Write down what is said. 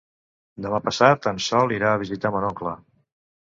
Demà passat en Sol irà a visitar mon oncle.